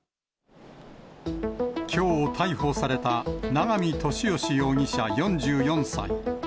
きょう逮捕された永見俊義容疑者４４歳。